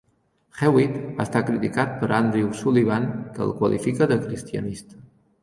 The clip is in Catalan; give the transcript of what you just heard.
Hewitt ha estat criticat per Andrew Sullivan, que el qualifica de cristianista.